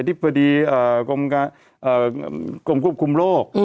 ทฤษฎีกรมกรุบคุมโลก